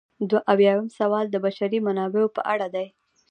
دوه اویایم سوال د بشري منابعو په اړه دی.